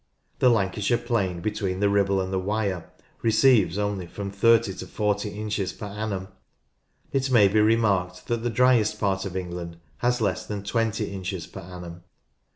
The Lancashire plain between the Ribble and the Wyre receives only from 30 to 40 inches per annum. It may be remarked that the driest part of England has less than 20 inches per annum.